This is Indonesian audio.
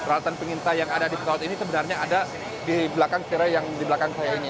peralatan pengintai yang ada di pesawat ini sebenarnya ada di belakang yang di belakang saya ini